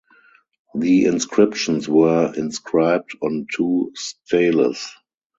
The inscriptions were inscribed on two steles.